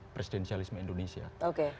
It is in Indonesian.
presidensialisme indonesia oke